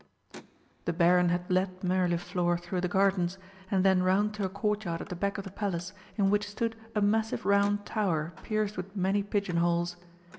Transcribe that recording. The Baron had led Mirliflor through the Gardens, and then round to a Courtyard at the back of the Palace in which stood a massive round tower pierced with many pigeon holes.